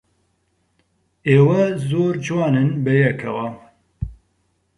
ئێوە زۆر جوانن بەیەکەوە.